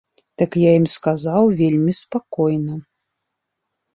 Так я ім сказаў вельмі спакойна.